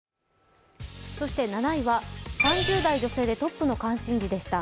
そして７位は３０代女性でトップの関心度でした。